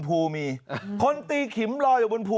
สมัยไม่เรียกหวังผม